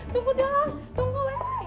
tunggu dong tunggu